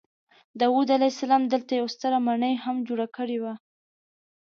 داود علیه السلام دلته یوه ستره ماڼۍ هم جوړه کړې وه.